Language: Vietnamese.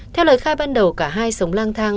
theo lời khai ban đầu cả hai sống lang thang